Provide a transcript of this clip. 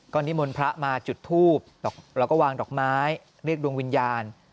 ก่อนนี้มวลพระมาจุดทูบและวางดอกไม้เรียกวินวินยาติ